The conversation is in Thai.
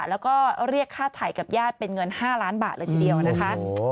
แล้วก็เรียกค่าไถ่กับญาติเป็นเงิน๕ล้านบาทเลยทีเดียวนะคะ